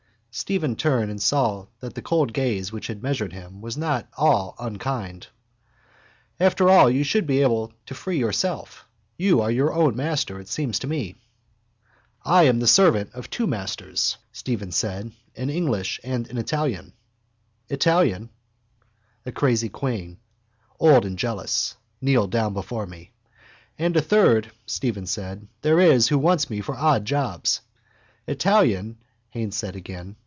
Stephen turned and saw that the cold gaze which had measured him was not all unkind. —After all, I should think you are able to free yourself. You are your own master, it seems to me. —I am a servant of two masters, Stephen said, an English and an Italian. —Italian? Haines said. A crazy queen, old and jealous. Kneel down before me. —And a third, Stephen said, there is who wants me for odd jobs. —Italian? Haines said again.